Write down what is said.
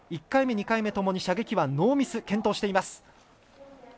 １回目、２回目ともに射撃はノーミス、健闘しています。